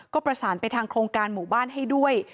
ก็ประสานไปทางโครงการหมู่บ้านให้ด้วย